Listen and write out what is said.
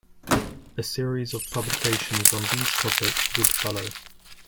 A series of publications on these topic would follow.